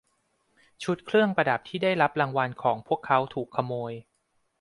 ชุดเครื่องประดับที่ได้รับรางวัลของพวกเขาถูกขโมย